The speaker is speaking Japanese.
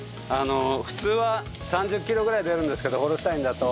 普通は３０キロぐらい出るんですけどホルスタインだと。